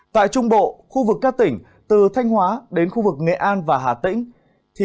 tại trung bộ khu vực các tỉnh từ thanh hóa đến khu vực nghệ an và hà tĩnh